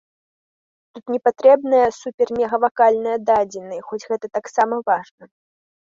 Тут не патрэбныя супермегавакальныя дадзеныя, хоць гэта таксама важна.